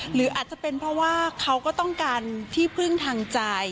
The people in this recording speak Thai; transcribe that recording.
หรืออาจจะเป็นเพราะว่าเขาก็ต้องการที่พึ่งทางใจ